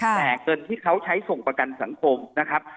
แต่เงินที่เขาใช้ส่งประกันสังคมนะครับ